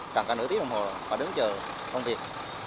tràn cả nửa tiếng đồng hồ và đứng chờ công việc